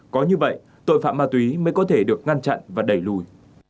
có như vậy tội phạm ma túy mới có thể được ngăn chặn và đẩy lùi